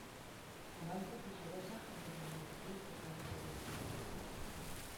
Avanzo presurosa entre la multitud buscando su rostro